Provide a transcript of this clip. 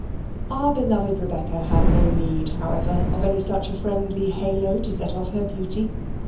Our beloved Rebecca had no need, however, of any such a friendly halo to set off her beauty.